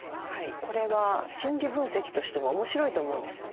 これは心理分析としても面白いと思うんですよね。